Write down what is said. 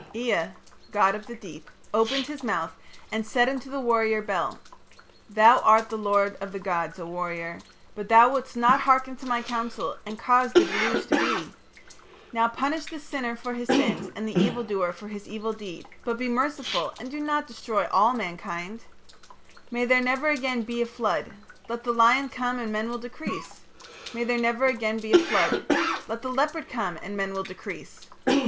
"Ea, god of the deep, opened his mouth and said unto the warrior Bel: 'Thou art the lord of the gods, O warrior. But thou wouldst not hearken to my counsel and caused the deluge to be. Now punish the sinner for his sins and the evil doer for his evil deed, but be merciful and do not destroy all mankind. May there never again be a flood. Let the lion come and men will decrease. May there never again be a flood. Let the leopard come and men will decrease.